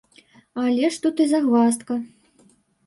Але ж тут і загваздка!